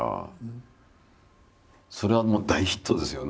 それはもう大ヒットですよね。